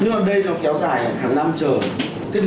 nhưng mà đây nó kéo dài hàng năm trời